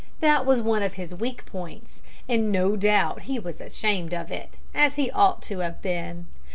That was one of his weak points, and no doubt he was ashamed of it, as he ought to have been.